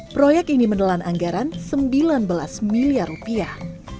proyek ini menelan anggaran sembilan belas miliar rupiah